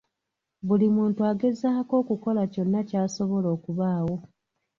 Buli muntu agezaako okukola kyonna ky'asobola okubaawo.